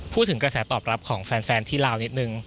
พูดถึงกระแสตอบรับของแฟนที่ลาวนิดนึง